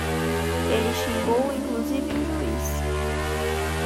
Ele xingou inclusive o juiz